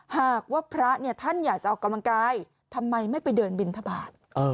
หากว่าพระเนี่ยท่านอยากจะออกกำลังกายทำไมไม่ไปเดินบินทบาท